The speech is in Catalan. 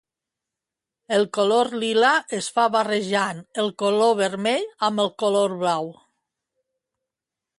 El color lila es fa barrejant el color vermell amb el color blau